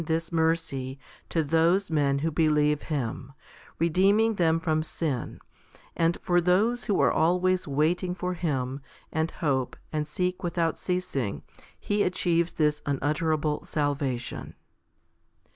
E 14 FIFTY SPIRITUAL HOMILIES this mercy to those men who believe Him, redeeming them from sin ; and for those who are always waiting for Him, and hope, and seek without ceasing, He achieves this unutterable salvation.